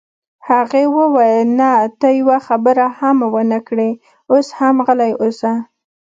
هغې وویل: نه، ته یوه خبره هم ونه کړې، اوس هم غلی اوسه.